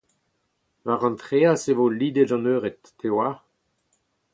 War an traezh e vo lidet an eured, te a oar.